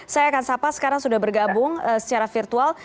saya akan sapa sekarang sudah bergabung secara virtual